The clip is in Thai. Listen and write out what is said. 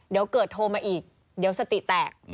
เดี๋ยวเกิดโทรมาอีกเดี๋ยวสติแตก